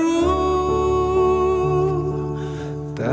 yuk kesitu yuk